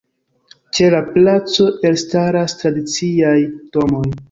Ĉe la placo elstaras tradiciaj domoj.